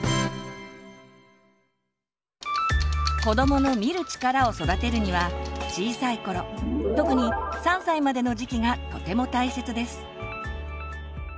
子どもの「見る力」を育てるには小さい頃特に３歳までの時期がとても大切です。